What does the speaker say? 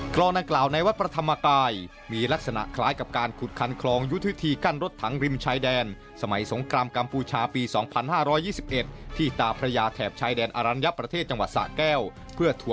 นางกล่าวในวัดพระธรรมกายมีลักษณะคล้ายกับการขุดคันคลองยุทธีกั้นรถถังริมชายแดนสมัยสงครามกัมพูชาปี๒๕๒๑ที่ตาพระยาแถบชายแดนอรัญญประเทศจังหวัดสะแก้ว